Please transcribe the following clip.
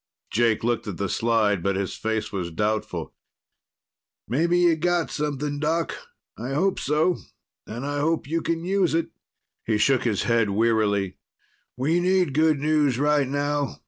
Jake looked at the slide, but his face was doubtful. "Maybe you've got something, Doc. I hope so. And I hope you can use it." He shook his head wearily. "We need good news right now.